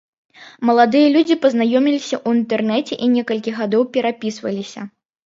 Маладыя людзі пазнаёміліся ў інтэрнэце і некалькі гадоў перапісваліся.